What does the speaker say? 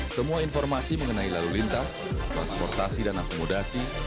semua informasi mengenai lalu lintas transportasi dan akomodasi